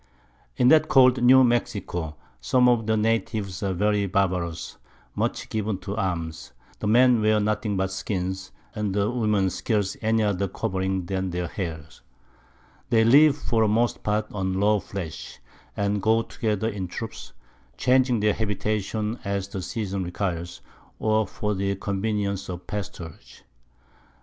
[Sidenote: Mexico Described.] In that call'd New Mexico some of the Natives are very barbarous, and much given to Arms, the Men wear nothing but Skins, and the Women scarce any other Covering than their Hair; they live for the most part on raw Flesh, and go together in Troops, changing their Habitation as the Season requires, or for the Conveniency of Pasturage.